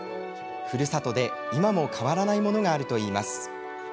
ふるさとで、今も変わらないものがあるといいます。